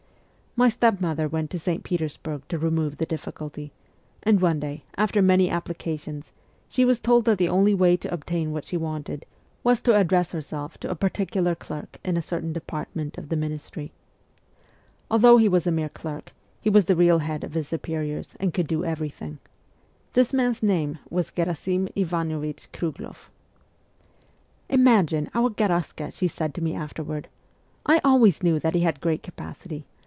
My stepmother went to St. Peters burg to remove the difficulty, and one day, after many applications, she was told that the only way to obtain what she wanted was to address herself to a particular clerk in a certain department of the ministry. Although he was a mere clerk, he was the real head of his superiors, and could do everything. This man's name was Gherasim Ivanovich Krugl6ff. CHILDHOOD 69 ' Imagine, our Garaska !' she said to me afterward. ' I always knew that he had great capacity.